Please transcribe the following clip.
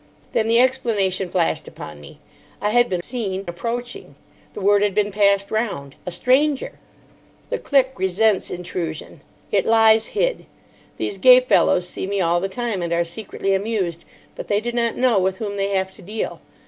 Then the explanation flashed upon me. I had been seen approaching. The word had been passed round. A stranger! The clique resents intrusion. It lies hid. These gay fellows see me all the time, and are secretly amused. But they do not know with whom they have to deal.